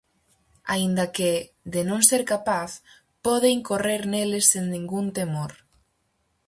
Aínda que, de non ser capaz, pode incorrer neles sen ningún temor.